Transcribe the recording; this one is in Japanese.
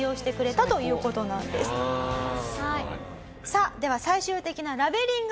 さあでは最終的なラベリングをですね